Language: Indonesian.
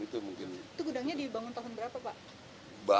itu gudangnya dibangun tahun berapa pak